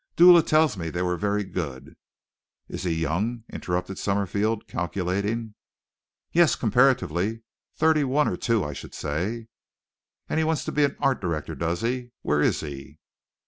Dula tells me they were very good." "Is he young?" interrupted Summerfield, calculating. "Yes, comparatively. Thirty one or two, I should say." "And he wants to be an art director, does he. Where is he?"